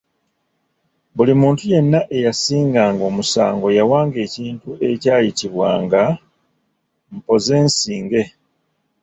"Buli muntu yenna eyasinganga omusango yawanga ekintu ekyayitibwanga, “mpozensinge”."